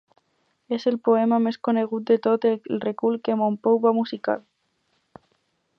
És el poema més conegut de tot el recull que Mompou va musicar.